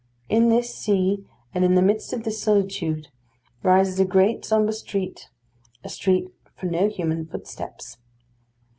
In this sea, and in the midst of this solitude, rises a great sombre street a street for no human footsteps.